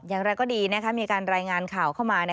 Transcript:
อย่างไรก็ดีมีการรายงานข่าวเข้ามา